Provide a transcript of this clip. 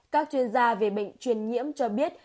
các chuyên gia về bệnh truyền nhiễm cho biết